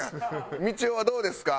みちおはどうですか？